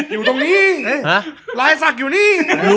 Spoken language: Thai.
อยู่ตรงนี้ลายศักดิ์อยู่นี่